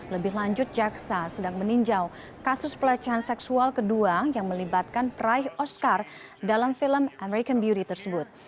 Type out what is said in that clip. lebih lanjut jaksa sedang meninjau kasus pelecehan seksual kedua yang melibatkan peraih oscar dalam film american beauty tersebut